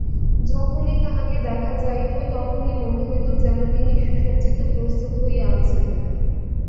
যখনই তাঁহাকে দেখা যাইত তখনই মনে হইত যেন তিনি সুসজ্জিত প্রস্তুত হইয়া আছেন।